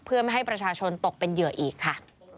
เพื่อไม่ให้ประชาชนตกเป็นเหยื่ออีกค่ะ